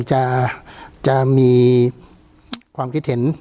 การแสดงความคิดเห็น